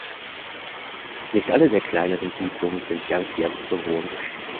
Nicht alle der kleineren Siedlungen sind ganzjährig bewohnt.